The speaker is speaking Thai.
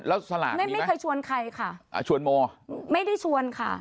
แล้วสละไม่ไม่เคยชวนใครค่ะอ่าชวนโมไม่ได้ชวนค่ะ